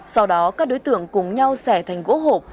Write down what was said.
sau đó các đối tượng cùng nhau xẻ thành gỗ hộp